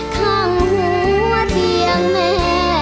ข้างหัวเตียงแม่